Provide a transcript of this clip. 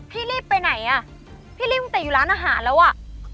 รีบไปไหนอ่ะพี่รีบตั้งแต่อยู่ร้านอาหารแล้วอ่ะ